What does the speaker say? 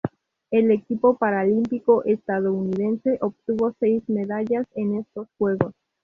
El equipo paralímpico estadounidense obtuvo seis medallas en estos Juegos.